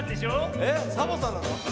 えっサボさんなの？